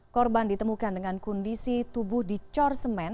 korban ditemukan dengan kondisi tubuh dicor semen